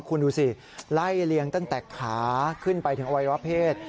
คุณดูสิไล่เลี้ยงตั้งแต่ขาขึ้นไปถึงอวัยวะเพศ